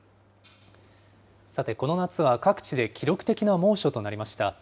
さて、この夏は各地で記録的な猛暑となりました。